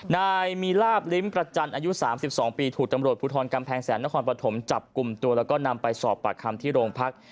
นายมีลาบลิ้มประจันทร์อายุ๓๒ปีถูกตำรวจภูทรกำแพงแสนนครปฐมจับกลุ่มตัวแล้วก็นำไปสอบปากคำที่โรงพัก